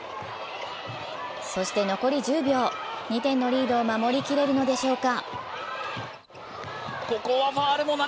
そして残り１０秒、２点のリードを守りきれるのでしょうか？